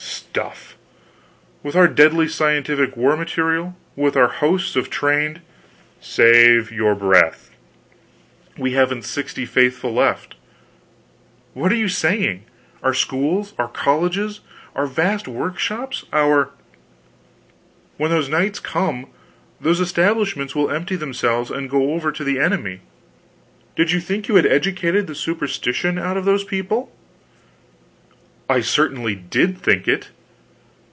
"Stuff! With our deadly scientific war material; with our hosts of trained " "Save your breath we haven't sixty faithful left!" "What are you saying? Our schools, our colleges, our vast workshops, our " "When those knights come, those establishments will empty themselves and go over to the enemy. Did you think you had educated the superstition out of those people?" "I certainly did think it."